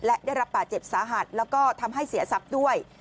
และได้รับบาดเจ็บสาหัสแล้วก็ทำให้เสียทรัพย์ด้วย